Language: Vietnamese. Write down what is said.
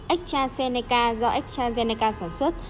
astrazeneca do astrazeneca sản xuất